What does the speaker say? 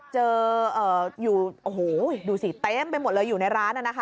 เจออยู่โอ้โหดูสิเต็มไปหมดเลยอยู่ในร้านน่ะนะคะ